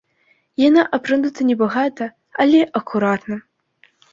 Яна апранута небагата, але акуратна.